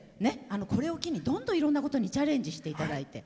これを機に、どんどんいろんなことにチャレンジしていただいて。